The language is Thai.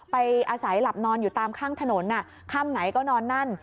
ไปอาศัยหลับนอนอยู่ตามข้างถนนค่ำไหนก็นอนนั่น